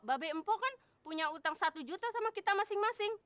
babe empo kan punya utang satu juta sama kita masing masing